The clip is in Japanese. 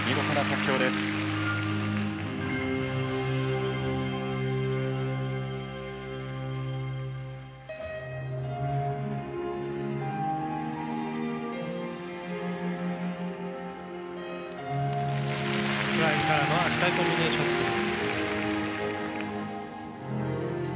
フライングからの足換えコンビネーションスピン。